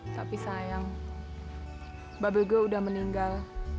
tapi sayang babelgo udah meninggal